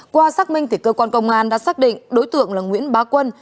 qua xác minh thì cơ quan công an đã xác định đối tượng là nguyễn bá quân